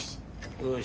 よし。